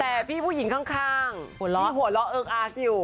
แต่พี่ผู้หญิงข้างมีหัวล้อเอิ้กอักอยู่